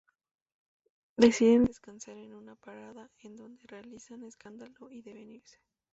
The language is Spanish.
Deciden descansar en una parada, en donde realizan escándalo y deben irse.